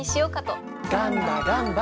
ガンバガンバ！